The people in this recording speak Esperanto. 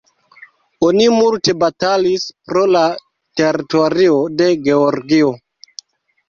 Oni multe batalis pro la teritorio de Georgio.